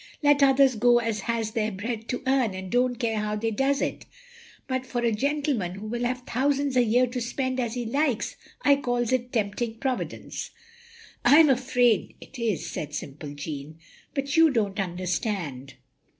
"Let others go as has their bread to earn and don't care how they does it. But for a gentleman who will have thousands a year to spend as he likes, I calls it tempting Providence. "" I am afraid it is, " said simple Jeanne. " But you don't understand.